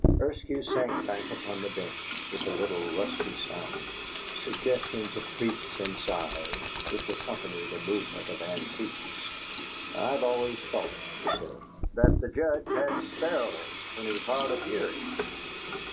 Eskew sank back upon the bench, with the little rusty sounds, suggestions of creaks and sighs, which accompany the movement of antiques. "I've always thought," he said, "that the Judge had spells when he was hard of hearing."